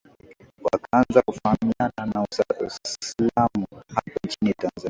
Wakaanza kufaamiana na Uislamu hapa nchini Tanzani